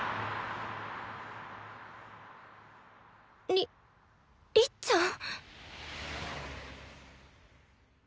りりっちゃん！？